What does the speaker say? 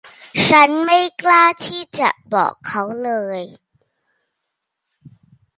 ฉันไม่กล้าที่จะบอกเขาเลย